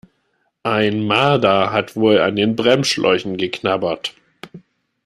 Ein Marder hat wohl an den Bremsschläuchen geknabbert.